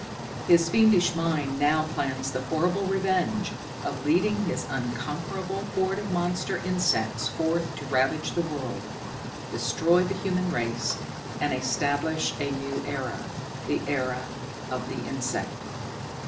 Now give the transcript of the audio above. His fiendish mind now plans the horrible revenge of leading his unconquerable horde of monster insects forth to ravage the world, destroy the human race and establish a new era the era of the insect.